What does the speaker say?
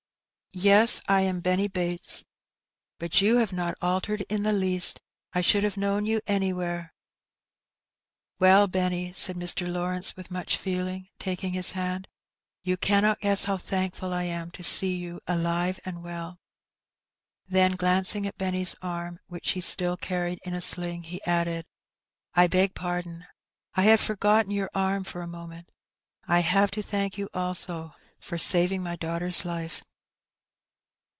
"Yes, I. am Benny Bates, but you have not altered in the least; I should have known you anywhere." '^Well, Benny," said Mr. Lawrence with much feeling, taking his hand, "you cannot guess how thankful I am to see you alive and well." Then, glancing at Benny's arm, which he still carried in a sling, he added, " I beg pardon, I had forgotten your arm for a moment. I have to thank you also for saving my daughter's life."